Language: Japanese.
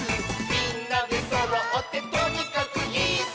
「みんなでそろってとにかくイス！」